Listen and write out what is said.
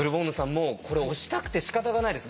もうこれ押したくてしかたがないです。